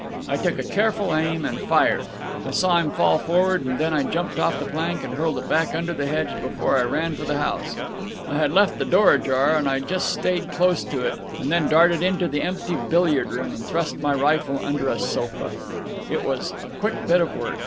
"I took a careful aim and fired. I saw him fall forward, and then I jumped off the plank and hurled it back under the hedge before I ran for the house. I had left the door ajar, and I just stayed to close it, and then darted into the empty billiard room and thrust my rifle under a sofa. It was a quick bit of work.